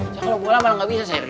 tuh kalau buka malah nggak bisa serge